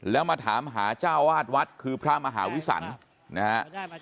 แล้วมาถามหาเจ้าวาดวัดคือพระมหาวิสันนะฮะ